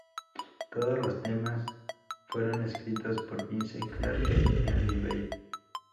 Todos los temas fueron escritos por Vince Clarke y Andy Bell.